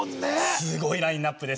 すごいラインナップです。